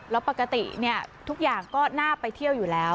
แล้วปกติทุกอย่างก็น่าไปเที่ยวอยู่แล้ว